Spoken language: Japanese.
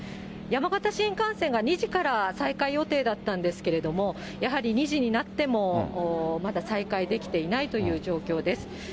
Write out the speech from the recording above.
山形新幹線が２時から再開予定だったんですけれども、やはり２時になっても、まだ再開できてないという状況です。